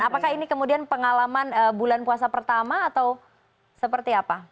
apakah ini kemudian pengalaman bulan puasa pertama atau seperti apa